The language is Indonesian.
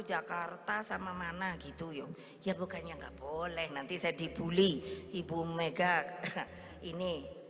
jakarta sama mana gitu yuk ya bukannya enggak boleh nanti saya dibully ibu mega karena ini